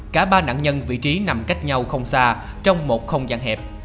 cả ba nạn nhân vị trí nằm cách nhau không xa trong một không gian hẹp